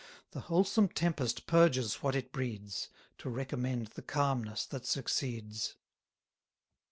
The wholesome tempest purges what it breeds, To recommend the calmness that succeeds.